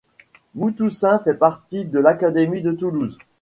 Montoussin fait partie de l'académie de Toulouse.